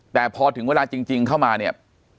แต่พอถึงเวลาจริงเข้ามาเนี่ย